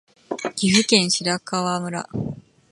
岐阜県白川村